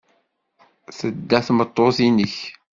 Tedda tmeṭṭut-nnek.